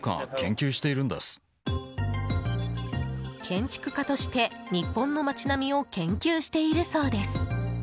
建築家として日本の街並みを研究しているそうです。